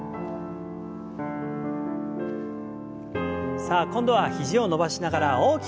さあ今度は肘を伸ばしながら大きく回します。